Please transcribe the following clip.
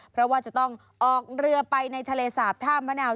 เพราะว่าจะต้องออกเรือไปในทะเลสาบท่ามะนาว